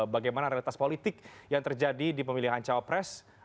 bagaimana realitas politik yang terjadi di pemilihan cawapres